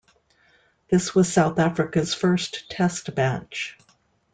This was South Africa's first Test match.